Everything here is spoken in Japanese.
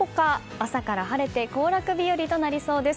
朝から晴れて行楽日和となりそうです。